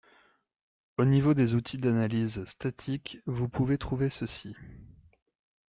Au niveau des outils d’analyse statique, vous pouvez trouver ceci.